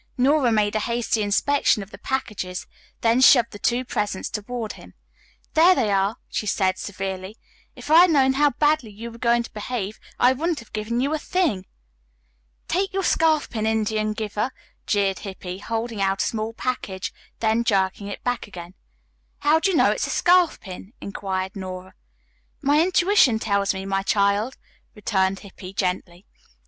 Nora made a hasty inspection of the packages, then shoved the two presents toward him. "There they are," she said severely. "If I had known how badly you were going to behave, I wouldn't have given you a thing." "Take your scarf pin, Indian giver," jeered Hippy, holding out a small package, then jerking it back again. "How do you know it's a scarf pin?" inquired Nora. "My intuition tells me, my child," returned Hippy gently.